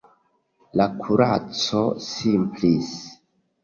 La kuraco simplis.